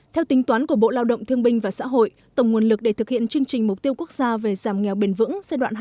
theo tính toán của bộ lao động thương binh và xã hội tổng nguồn lực để thực hiện chương trình mục tiêu quốc gia về giảm nghèo bền vững